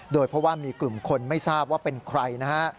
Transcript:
โดยเพราะว่ามีกลุ่มคนไม่ทราบว่าเป็นใครนะฮะ